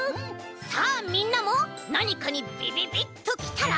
さあみんなもなにかにびびびっときたら。